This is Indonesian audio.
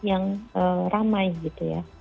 yang ramai gitu ya